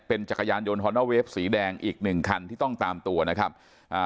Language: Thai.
เป็นจักรยานยนต์ฮอนนาเวฟสีแดงอีกหนึ่งคันที่ต้องตามตัวนะครับอ่า